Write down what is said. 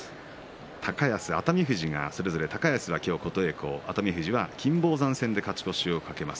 高安、熱海富士それぞれ今日は高安が琴恵光熱海富士は金峰山戦で勝ち越しを懸けます。